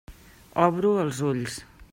Obro els ulls.